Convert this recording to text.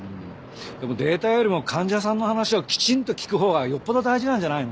でもデータよりも患者さんの話をきちんと聞くほうがよっぽど大事なんじゃないの？